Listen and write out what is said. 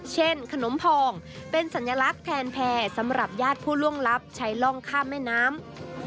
ขนมพองเป็นสัญลักษณ์แทนแพร่สำหรับญาติผู้ล่วงลับใช้ร่องข้ามแม่น้ำ